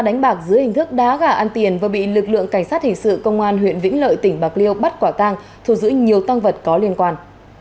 đánh bạc dưới hình thức đá gà ăn tiền vừa bị lực lượng cảnh sát hình sự công an huyện vĩnh lợi tỉnh bạc liêu bắt quả tang thù giữ nhiều tăng vật có liên quan